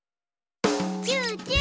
チューチュー。